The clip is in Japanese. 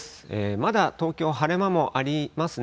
まだ東京、晴れ間もありますね。